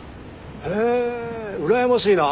へぇうらやましいな。